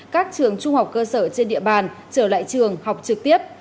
các trường trung học cơ sở trên địa bàn trở lại trường học trực tiếp